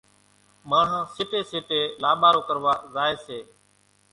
ماڻۿان سيٽيَ سيٽيَ لاٻارو ڪروا زائيَ سي۔